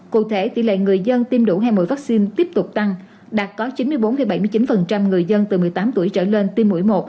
cụ thể tỷ lệ người dân tiêm đủ hai mũi vaccine tiếp tục tăng đạt có chín mươi bốn bảy mươi chín người dân từ một mươi tám tuổi trở lên tiêm mũi một